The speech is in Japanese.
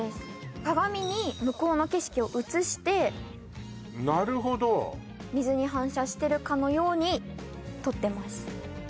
鏡に向こうの景色を写してなるほど水に反射してるかのように撮ってます